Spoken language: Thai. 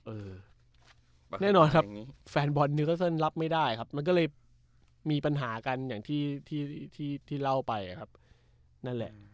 แน่นอนครับแฟนบอลนิวก็เซิลรับไม่ได้ครับมันก็เลยมีปัญหากันอย่างที่ที่เล่าไปครับนั่นแหละ